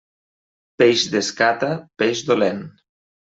Peix d'escata, peix dolent.